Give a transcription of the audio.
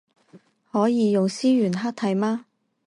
可以用思源黑體嗎